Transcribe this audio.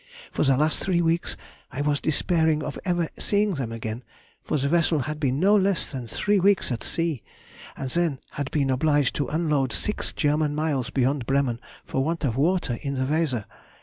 For the last three weeks, I was despairing of ever seeing them again, for the vessel had been no less than three weeks at sea, and then had been obliged to unload six German miles beyond Bremen for want of water in the Weser.